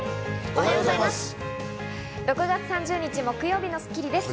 おはようございます。